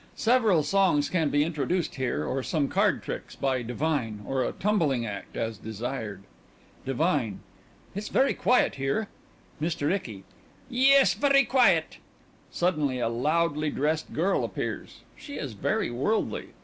Several songs can be introduced here or some card tricks by_ DIVINE or a tumbling act, as desired.) DIVINE: It's very quiet here. MR. ICKY: Yes, very quiet.... (_Suddenly a loudly dressed girl appears; she is very worldly.